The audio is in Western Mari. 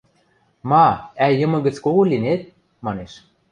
– Ма, ӓй йымы гӹц кого линет? – манеш.